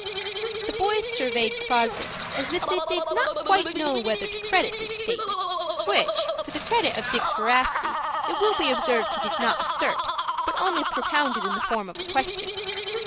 The boys surveyed Fosdick as if they did not quite know whether to credit this statement, which, for the credit of Dick's veracity, it will be observed he did not assert, but only propounded in the form of a question.